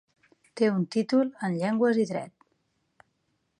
Té un títol en Llengües i Dret.